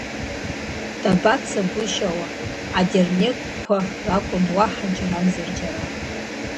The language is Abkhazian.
Дабаца гәышьао адернеқьқәа ракәын уаҳа џьарамзар џьара…